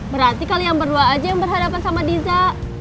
berarti kalian berdua aja yang berhadapan sama diza